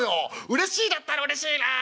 うれしいだったらうれしいなあ』。